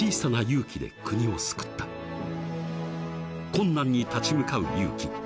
［困難に立ち向かう勇気］